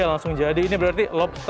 asi manis berwarna lapis